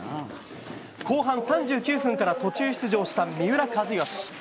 後半３９分から途中出場した三浦知良。